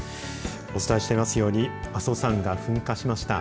お伝えしていますように阿蘇山が噴火しました。